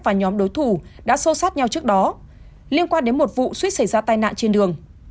và nhóm đối thủ đã xô sát nhau trước đó liên quan đến một vụ suýt xảy ra tai nạn trên đường